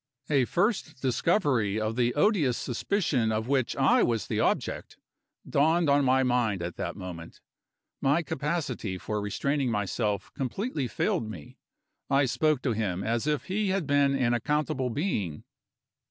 A first discovery of the odious suspicion of which I was the object, dawned on my mind at that moment. My capacity for restraining myself completely failed me. I spoke to him as if he had been an accountable being.